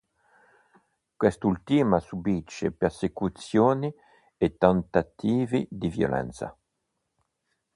Quest'ultima subisce persecuzioni e tentativi di violenza.